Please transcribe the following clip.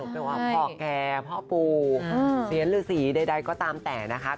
เป็นว่าพ่อแก่พ่อปูเสียร์หรือสีใดก็ตามแต่นะคะ